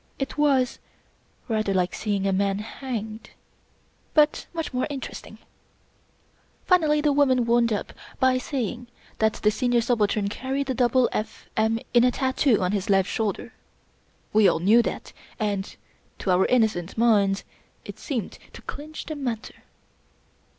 It was rather like seeing a man hanged ; but much more interesting. Finally, the woman wound up by saying that the Senior Subaltern carried a double F. M. in tattoo on his left shoulder. We all knew that, and to our innocent minds it seemed to clinch the matter.